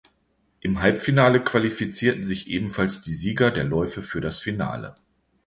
Im Halbfinale qualifizierten sich ebenfalls die Sieger der Läufe für das Finale.